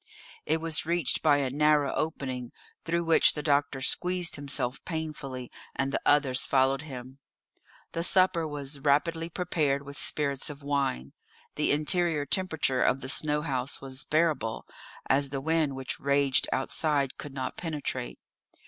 It was reached by a narrow opening, through which the doctor squeezed himself painfully, and the others followed him. The supper was rapidly prepared with spirits of wine. The interior temperature of the snow house was bearable, as the wind which raged outside could not penetrate.